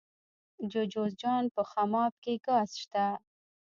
د جوزجان په خماب کې ګاز شته.